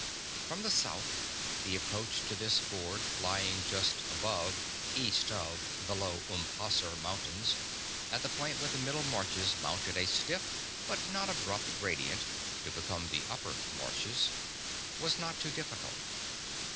From the south, the approach to this ford, lying just above (east of) the Low Umpasseur Mountains, at the point where the Middle Marches mounted a stiff but not abrupt gradient to become the Upper Marches, was not too difficult.